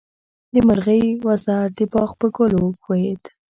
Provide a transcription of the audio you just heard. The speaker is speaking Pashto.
د مرغۍ وزر د باغ په ګل وښویېد.